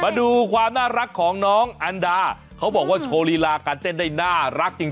มาดูความน่ารักของน้องอันดาเขาบอกว่าโชว์ลีลาการเต้นได้น่ารักจริง